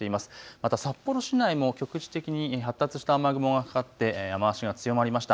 また札幌市内も局地的に発達した雨雲がかかって雨足が強まりました。